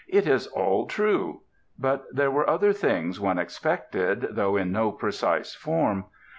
It is all true.... But there were other things one expected, though in no precise form.